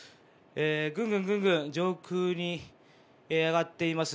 ぐんぐん上空に上がっています。